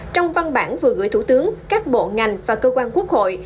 trong văn bản vừa gửi thủ tướng các bộ ngành và cơ quan quốc hội